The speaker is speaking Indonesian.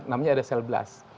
namanya ada sel blast